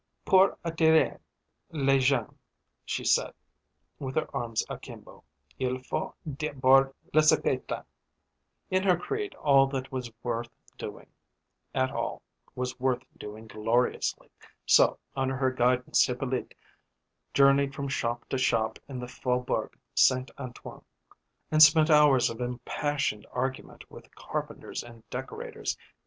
"Pour attirer les gens," she said, with her arms akimbo, "il faut d'abord les épater." In her creed all that was worth doing at all was worth doing gloriously. So, under her guidance, Hippolyte journeyed from shop to shop in the faubourg St. Antoine, and spent hours of impassioned argument with carpenters and decorators.